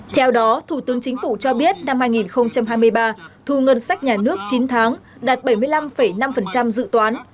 theo đó thủ tướng chính phủ cho biết năm hai nghìn hai mươi ba thu ngân sách nhà nước chín tháng đạt bảy mươi năm năm dự toán